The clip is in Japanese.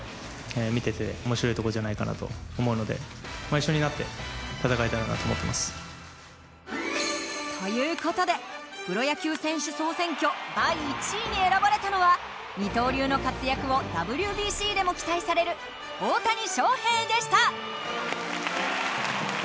３月に開幕するという事でプロ野球選手総選挙第１位に選ばれたのは二刀流の活躍をＷＢＣでも期待される大谷翔平でした。